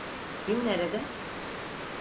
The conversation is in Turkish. Kim nerede?